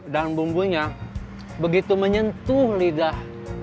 dan bumbunya begitu menyentuh lidah